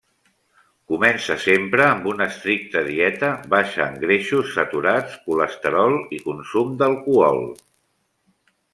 Comença sempre amb una estricta dieta baixa en greixos saturats, colesterol i consum d'alcohol.